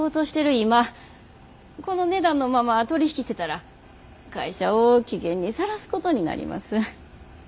今この値段のまま取り引きしてたら会社を危険にさらすことになります。